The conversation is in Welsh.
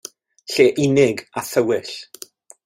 Lle unig a thywyll.